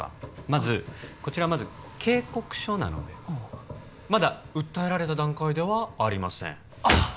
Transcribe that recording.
まずこちらまず警告書なのでまだ訴えられた段階ではありませんあっ